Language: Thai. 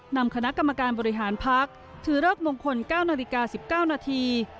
นำคณะกรรมการบริหารพักถือเลิกมงคล๙นาฬิกา๑๙นาที